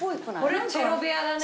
これチェロ部屋だね。